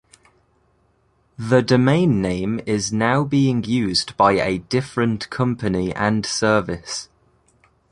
The domain name is now being used by a different company and service.